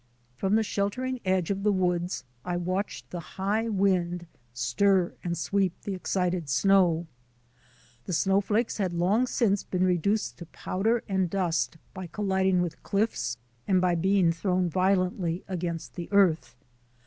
From the sheltering edge of the woods I watched the high wind stir and sweep the excited snow. The snowflakes had long since been reduced to powder and dust by colliding with cliffs and by being thrown violently against the earth.